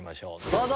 どうぞ。